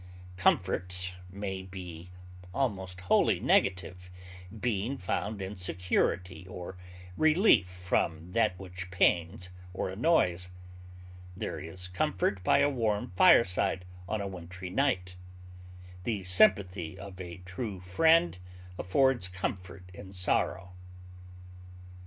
Comfort may be almost wholly negative, being found in security or relief from that which pains or annoys; there is comfort by a warm fireside on a wintry night; the sympathy of a true friend affords comfort in sorrow.